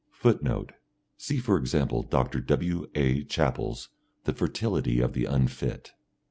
[Footnote: See for example Dr. W. A. Chapple's The Fertility of the Unfit.